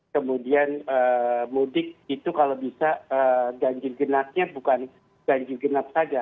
kemudian mudik itu kalau bisa ganjil genapnya bukan ganjil genap saja